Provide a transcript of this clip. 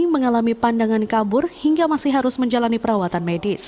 mengalami pandangan kabur hingga masih harus menjalani perawatan medis